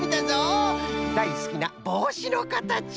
だいすきなぼうしのかたち。